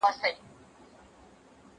يوه سترگه ئې ځني کښل، پر بله ئې لاس نيوی.